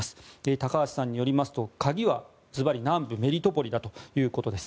高橋さんによりますと鍵はずばり南部メリトポリだということです。